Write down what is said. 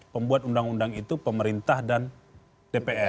pembuat undang undang itu pemerintah dan dpr